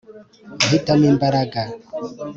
guhitamo imbaraga